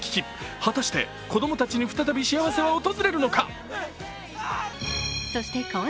果たして子供たちに再び幸せは訪れるのか。